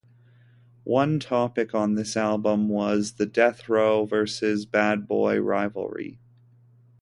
One topic on this album was the Death Row versus Bad Boy rivalry.